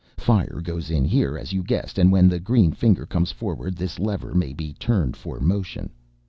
Fire goes in here as you guessed, and when the green finger comes forward this lever may be turned for motion.